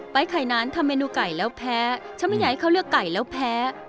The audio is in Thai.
ไข่นานทำเมนูไก่แล้วแพ้ฉันไม่อยากให้เขาเลือกไก่แล้วแพ้